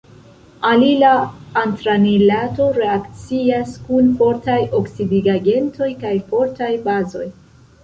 Alila antranilato reakcias kun fortaj oksidigagentoj kaj fortaj bazoj.